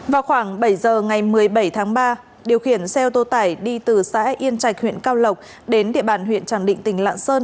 vào khoảng bảy giờ ngày một mươi bảy tháng ba điều khiển xe ô tô tải đi từ xã yên trạch huyện cao lộc đến địa bàn huyện tràng định tỉnh lạng sơn